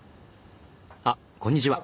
あこんにちは。